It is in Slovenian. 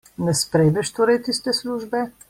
Ne sprejmeš torej tiste službe?